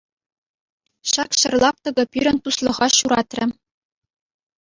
Ҫак ҫӗр лаптӑкӗ пирӗн туслӑха ҫуратрӗ.